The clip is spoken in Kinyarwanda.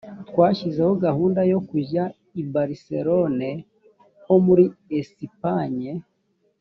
twashyizeho gahunda yo kujya i barcelone ho muri esipanye